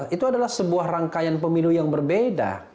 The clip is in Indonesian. itu adalah sebuah rangkaian pemilu yang berbeda